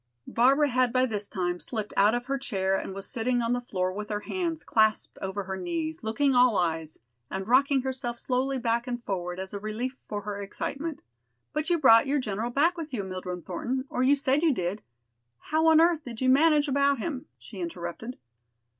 Barbara had by this time slipped out of her chair and was sitting on the floor with her hands clasped over her knees, looking all eyes, and rocking herself slowly back and forward as a relief for her excitement. "But you brought your general back with you, Mildred Thornton, or you said you did. How on earth did you manage about him?" she interrupted.